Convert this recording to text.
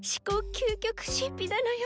究極神秘なのよ。